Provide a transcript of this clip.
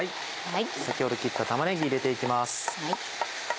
先ほど切った玉ねぎ入れて行きます。